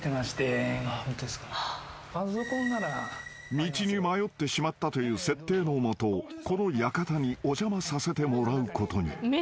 ［道に迷ってしまったという設定の下この館にお邪魔させてもらうことに］